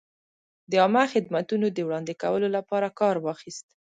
د عامه خدمتونو د وړاندې کولو لپاره کار واخیست.